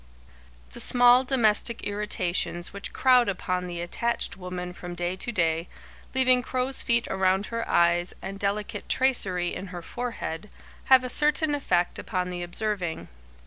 The small domestic irritations which crowd upon the attached woman from day to day, leaving crow's feet around her eyes and delicate tracery in her forehead, have a certain effect upon the observing.